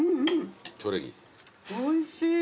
おいしい！